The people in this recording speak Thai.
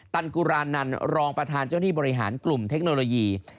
ตันกุรานันรองประธานเจ้าหน้าที่บริหารกลุ่มเทคโนโลยี